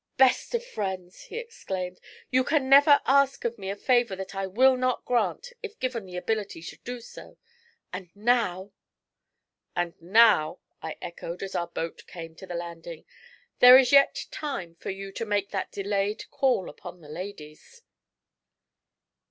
'Best of friends,' he exclaimed, 'you can never ask of me a favour that I will not grant, if given the ability to do so; and now ' 'And now,' I echoed as our boat came to the landing, 'there is yet time for you to make that delayed call upon the ladies.'